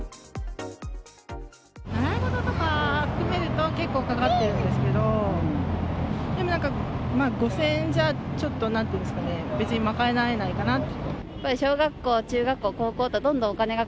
習い事とか含めると結構かかってるんですけど、でもなんか５０００円じゃ、ちょっとなんていうんですかね、別に賄えないかなと。